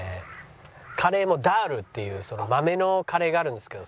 カレーもダルっていう豆のカレーがあるんですけど。